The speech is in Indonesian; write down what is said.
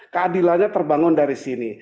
keadilannya terbangun dari sini